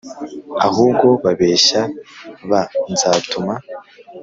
ahubwo babeshya b Nzatuma